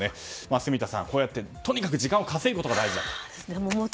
住田さん、こうやって時間を稼ぐことが大事だと。